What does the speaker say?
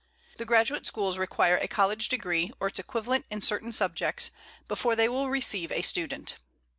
The graduate schools require a college degree, or its equivalent in certain subjects, before they will receive a student.